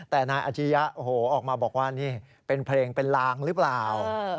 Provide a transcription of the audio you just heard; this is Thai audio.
แต่นายอาชียะโอ้โหออกมาบอกว่านี่เป็นเพลงเป็นลางหรือเปล่า